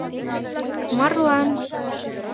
Марлан!